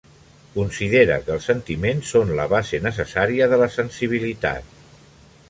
Considera que els sentiments són la base necessària de la sensibilitat.